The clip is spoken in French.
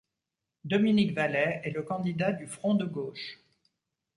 Dominique Vallet est le candidat du Front de gauche.